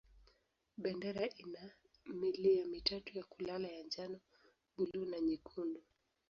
Bendera ina milia mitatu ya kulala ya njano, buluu na nyekundu.